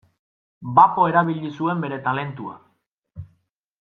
Bapo erabili zuen bere talentua.